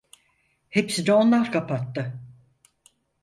Hepsini onlar kapattı…